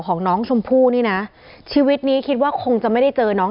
ของน้องชมพู่นี่นะชีวิตนี้คิดว่าคงจะไม่ได้เจอน้อง